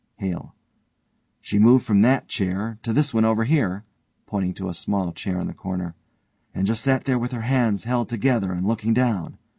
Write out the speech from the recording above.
HALE: She moved from that chair to this one over here (pointing to a small chair in the corner) and just sat there with her hands held together and looking down.